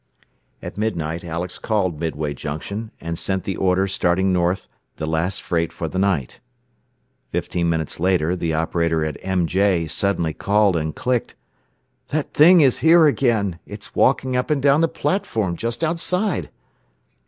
At midnight Alex called Midway Junction, and sent the order starting north the last freight for the night. Fifteen minutes later the operator at MJ suddenly called, and clicked, "That 'Thing' is here again. It's walking up and down the platform just outside.